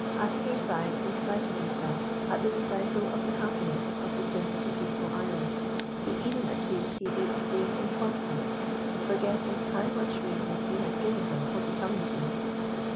Atimir sighed, in spite of himself, at the recital of the happiness of the Prince of the Peaceful Island. He even accused Hebe of being inconstant, forgetting how much reason he had given her for becoming so.